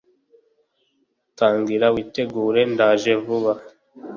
tangira witegure ndaje vuba